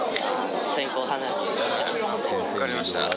分かりました